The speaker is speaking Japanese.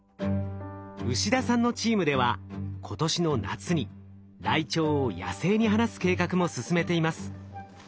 牛田さんのチームでは今年の夏にライチョウを野生に放す計画も進めています。